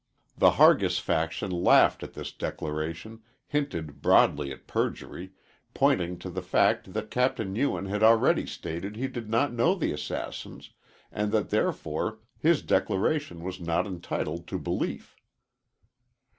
The Hargis faction laughed at this declaration, hinted broadly at perjury, pointing to the fact that Capt. Ewen had already stated he did not know the assassins, and that therefore his declaration was not entitled to belief.